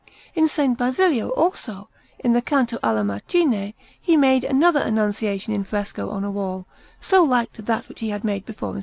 In S. Basilio, also, in the Canto alla Macine, he made another Annunciation in fresco on a wall, so like to that which he had made before in S.